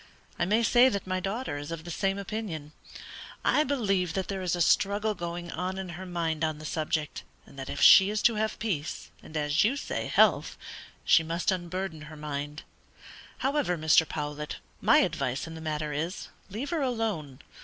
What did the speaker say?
I may say that my daughter is of the same opinion. I believe that there is a struggle going on in her mind on the subject, and that if she is to have peace, and as you say health, she must unburden her mind. However, Mr. Powlett, my advice in the matter is, leave her alone.